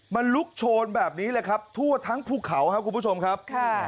มันลุกโชนแบบนี้เลยครับทั่วทั้งภูเขาครับคุณผู้ชมครับ